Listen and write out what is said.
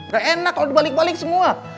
ga enak kalo dibalik balik semua